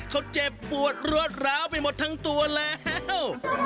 เขาเจ็บปวดรวดร้าวไปหมดทั้งตัวแล้ว